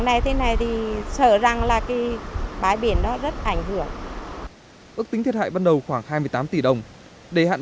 để hạn chế sụt lún lấn sâu chính quyền địa phương đã ra cố tạm